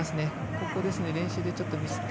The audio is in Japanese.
本当ですね、練習でちょっとミスった。